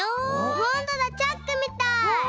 ほんとだチャックみたい！わ！